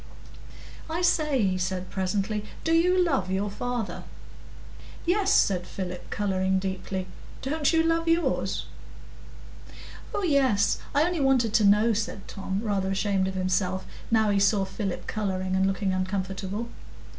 "I say," he said presently, "do you love your father?" "Yes," said Philip, colouring deeply; "don't you love yours?" "Oh yes—I only wanted to know," said Tom, rather ashamed of himself, now he saw Philip colouring and looking uncomfortable.